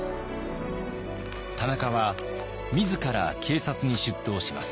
田中は自ら警察に出頭します。